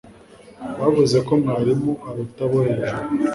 bavuze ko mwarimu aruta abo hejuru